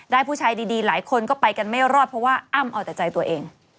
ผู้ชายดีหลายคนก็ไปกันไม่รอดเพราะว่าอ้ำเอาแต่ใจตัวเอง